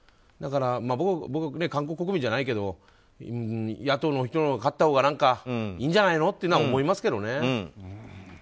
だから僕、韓国国民じゃないけど野党の人が勝ったほうがいいんじゃないのとは思いますけどね。